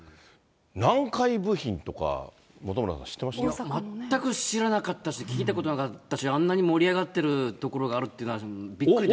南海部品とか、本村さん、全く知らなかったし、聞いたことなかったし、あんなに盛り上がってるところがあるっていうのは、びっくりです。